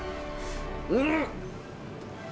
うん！